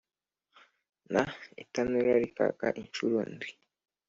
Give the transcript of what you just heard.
Na itanura rikaka incuro ndwi